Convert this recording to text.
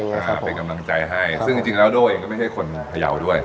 อ่าเป็นกำลังใจให้ซึ่งจริงแล้วโด้เองก็ไม่ใช่คนพยาวด้วย